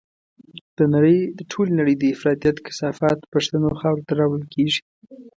د ټولې نړۍ د افراطيت کثافات پښتنو خاورو ته راوړل کېږي.